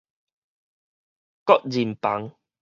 個人房